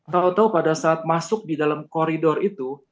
tau tau pada saat masuk di dalam koridor itu